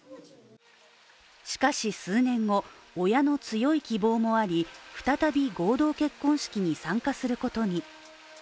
しかし数年後、親の強い希望もあり再び、合同結婚式に参加することに。